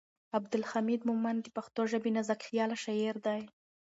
عبدالحمید مومند د پښتو ژبې نازکخیاله شاعر دی.